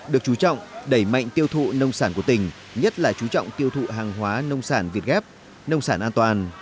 được chú trọng đẩy mạnh tiêu thụ nông sản của tỉnh nhất là chú trọng tiêu thụ hàng hóa nông sản việt gáp nông sản an toàn